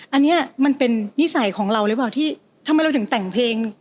อันนี้มันเป็นนิสัยของเราหรือเปล่าที่ทำไมเราถึงแต่งเพลง